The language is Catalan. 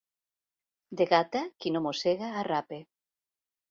De Gata, qui no mossega, arrapa.